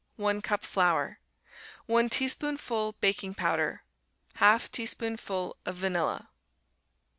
1 cup flour. 1 teaspoonful baking powder. 1/2 teaspoonful of vanilla.